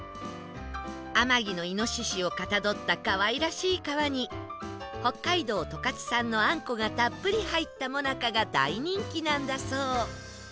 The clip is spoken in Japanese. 天城の猪をかたどった可愛らしい皮に北海道十勝産のあんこがたっぷり入った最中が大人気なんだそう